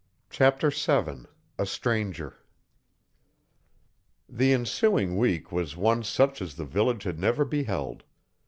CHAPTER VII A STRANGER The ensuing week was one such as the village had never beheld.